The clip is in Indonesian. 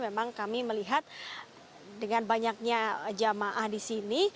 memang kami melihat dengan banyaknya jamaah di sini